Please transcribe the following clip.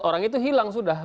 orang itu hilang sudah